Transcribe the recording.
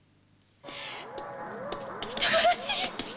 人殺し！